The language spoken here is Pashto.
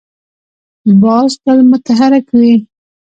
باز تل متحرک وي